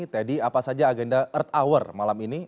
teddy apa saja agenda earth hour malam ini